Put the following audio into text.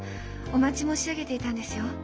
お待ち申し上げていたんですよ。